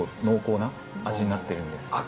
濃厚な味になってるんです。